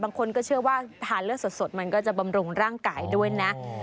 บางคนก็เชื่อว่าทานเลือดสดมันก็จะบำรุงร่างกายด้วยนะ